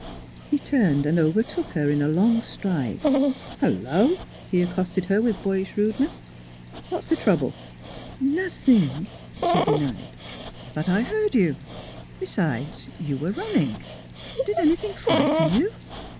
He turned and overtook her in a long stride. " Hello !" he accosted her with boyish rude ness. " What's the trouble? "" Mossing," she denied. " But I heard you Besides, you were run ning. Did anything frighten you